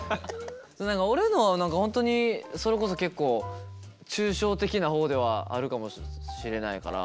俺のは何か本当にそれこそ結構抽象的な方ではあるかもしれないから。